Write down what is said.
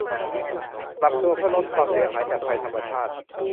ปรับตัวเพื่อลดความเสียหายจากภัยธรรมชาติ